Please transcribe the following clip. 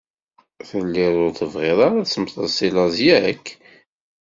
Telliḍ ur tebɣiḍ ara ad mmteɣ si laẓ, yak?